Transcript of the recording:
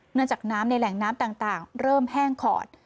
จากน้ำในแหล่งน้ำต่างเริ่มแห้งขอด